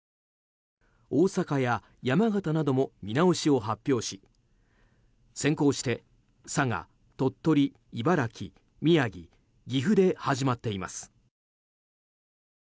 大阪や山形なども見直しを発表し先行して佐賀・鳥取・茨城・宮城・岐阜で始まっています。